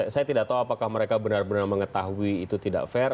saya tidak tahu apakah mereka benar benar mengetahui itu tidak fair